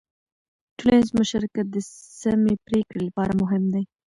ټولنیز مشارکت د سمې پرېکړې لپاره مهم دی.